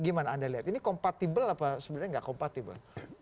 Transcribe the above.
gimana anda lihat ini kompatibel apa sebenarnya nggak kompatibel